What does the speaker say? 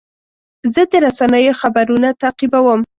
زه د رسنیو خبرونه تعقیبوم.